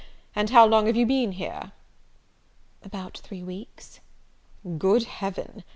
And how long have you been here?" "About three weeks." "Good Heaven!